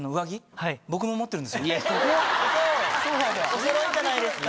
おそろいじゃないですか。